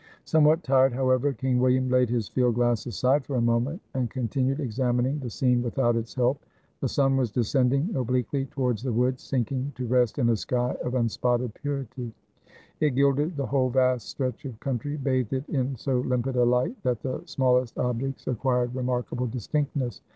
Somewhat tired, however, King William laid his field glass aside for a moment, and continued examining the scene without its help. The sun was descending ob liquely towards the woods, sinking to rest in a sky of unspotted purity; it gilded the whole vast stretch of country, bathed it in so limpid a light that the small est objects acquired remarkable distinctness.